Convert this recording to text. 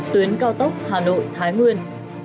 tuyến cao tốc hà nội thái nguyên